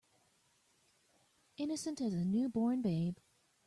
Innocent as a new born babe.